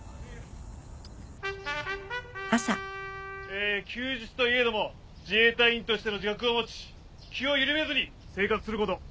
えー休日といえども自衛隊員としての自覚を持ち気を緩めずに生活すること。